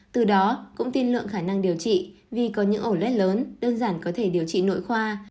từ đó cũng tin lượng khả năng điều trị vì có những ổ lết lớn đơn giản có thể điều trị nội khoa